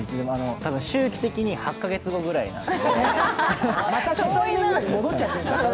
多分周期的に８カ月後ぐらいなんで。